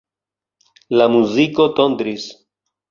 La muziko tondris.